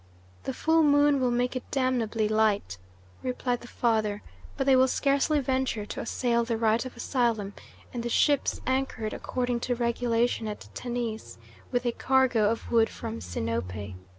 "The full moon will make it damnably light," replied the father, "but they will scarcely venture to assail the right of asylum, and the ships anchored according to regulation at Tanis, with a cargo of wood from Sinope.